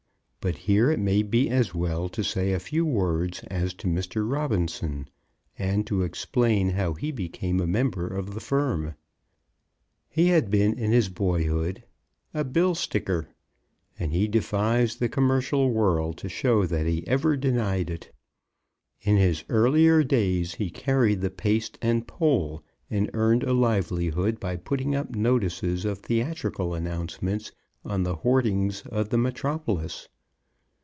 But here it may be as well to say a few words as to Mr. Robinson, and to explain how he became a member of the firm. He had been in his boyhood, a bill sticker; and he defies the commercial world to show that he ever denied it. In his earlier days he carried the paste and pole, and earned a livelihood by putting up notices of theatrical announcements on the hoardings of the metropolis.